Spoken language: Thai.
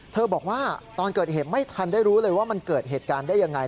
บอกว่าตอนเกิดเหตุไม่ทันได้รู้เลยว่ามันเกิดเหตุการณ์ได้ยังไง